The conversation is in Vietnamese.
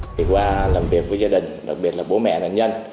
thì qua làm việc với gia đình đặc biệt là bố mẹ nạn nhân